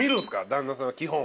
旦那さんは基本。